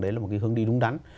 đấy là một cái hướng đi đúng đắn